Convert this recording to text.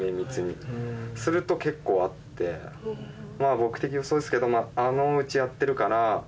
綿密にすると結構あってまあ僕的予想ですけど「あのうちやってるから」